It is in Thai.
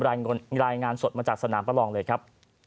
รายงานสดมาจากสนามประลองเลยครับ